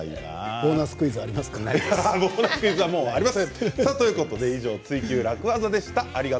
ボーナスクイズはもうありません。